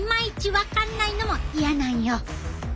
分かんないのも嫌なんよ。